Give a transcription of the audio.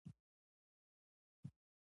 هر کال د خپلې کلیزې په ورځ سپین ګلاب واخلې.